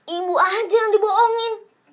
ibu aja yang dibohongin